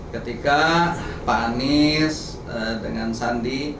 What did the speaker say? ketika pak anies dengan sandi